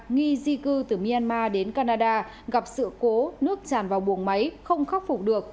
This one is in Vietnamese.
nghi di cư từ myanmar đến canada gặp sự cố nước tràn vào buồng máy không khắc phục được